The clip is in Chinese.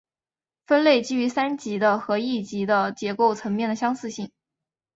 分类基于三级的和一级的结构层面的相似性。